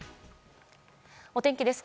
お天気です。